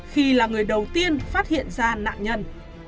khi là người đầu tiên phát hiện ra nạn nhân